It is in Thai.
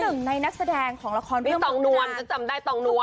ซึ่งหนึ่งในนักแสดงของละครเพื่อมหวังนานนี่ต้องนวนจะจำได้ต้องนวน